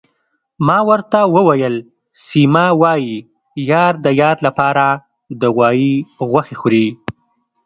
ما ورته وویل: سیمه، وايي یار د یار لپاره د غوايي غوښې خوري.